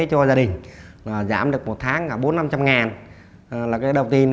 cho gia đình giảm được một tháng cả bốn trăm linh năm trăm linh ngàn là cái đầu tiên